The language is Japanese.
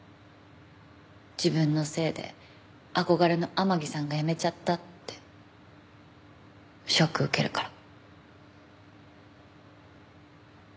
自分のせいで憧れの天樹さんが辞めちゃったってショック受けるから。